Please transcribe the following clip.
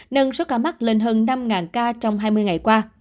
nâng số ca mắc lên hơn năm ca trong hai mươi ngày qua